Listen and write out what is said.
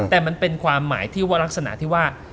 แต่มันเป็นความหมายที่ว่ารักษณะที่ว่า